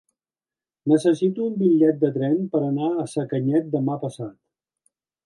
Necessito un bitllet de tren per anar a Sacanyet demà passat.